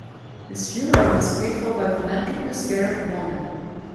His funeral was paid for by philanthropist Gareth Morgan.